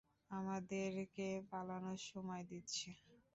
আমাদেরকে পালানোর সময় দিচ্ছে।